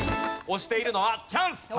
押しているのはチャンス！